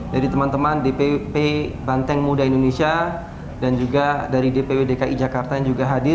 dari teman teman dpwp banteng muda indonesia dan juga dari dpw dki jakarta yang juga hadir